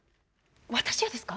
私がですか？